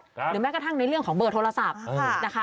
หรือแม้กระทั่งในเรื่องของเบอร์โทรศัพท์นะคะ